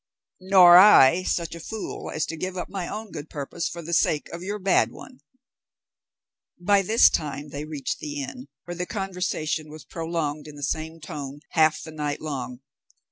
"Nor I such a fool as to give up my own good purpose for the sake of your bad one." By this time they reached the inn, where the conversation was prolonged in the same tone, half the night long.